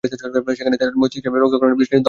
সেখানেই তার মস্তিষ্কে রক্তক্ষরণের বিষয়টি ধরা পড়ে।